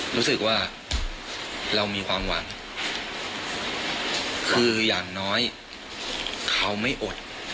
รู้สึกว่าเรามีความหวังคืออย่างน้อยเขาไม่อด